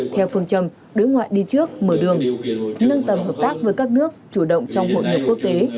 theo phương châm đối ngoại đi trước mở đường nâng tầm hợp tác với các nước chủ động trong hội nhập quốc tế